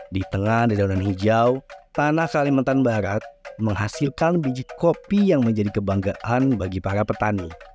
di tengah dedaunan hijau tanah kalimantan barat menghasilkan biji kopi yang menjadi kebanggaan bagi para petani